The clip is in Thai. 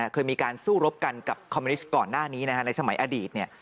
เคยมีการสู้รบกันกับคอมมิวนิสต์ก่อนหน้านี้ในสมัยอดีต